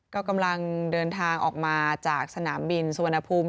ก็กำลังเดินทางออกมาจากสนามบินสุวรรณภูมิ